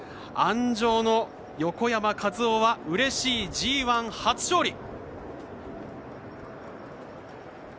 鞍上の横山和生はうれしいＧＩ初勝利。